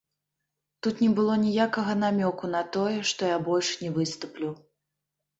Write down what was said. Тут не было ніякага намёку на тое, што я больш не выступлю.